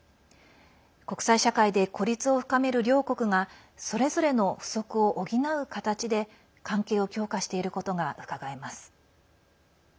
国際社会で孤立を深める両国がそれぞれの不足を補う形で関係を強化していることがうかがえます。